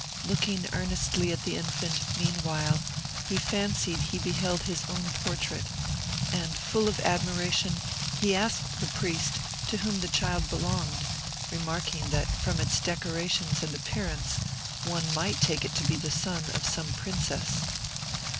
Looking earnestly at the infant, meanwhile, he fancied he beheld his own portrait; and full of admiration, he asked the priest to whom the child belonged, remarking, that from its decorations and appearance one might take it to be the son of some princess.